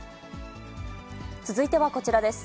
続いてはこちらです。